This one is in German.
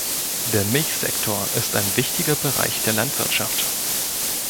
Der Milchsektor ist ein wichtiger Bereich der Landwirtschaft.